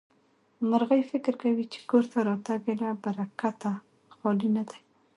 مرغۍ فکر کوي چې کور ته راتګ يې له برکته خالي نه دی.